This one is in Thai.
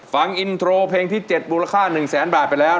ฟังอินโทรเพลงที่๗มูลค่า๑แสนบาทไปแล้ว